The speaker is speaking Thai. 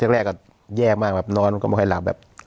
แรกก็แย่มากแบบนอนก็ไม่ค่อยหลับแบบ